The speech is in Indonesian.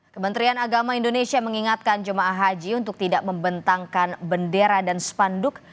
kementerian agama indonesia mengingatkan jemaah haji untuk tidak membentangkan bendera dan spanduk